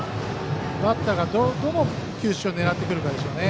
バッターがどの球種を狙ってくるかでしょうね。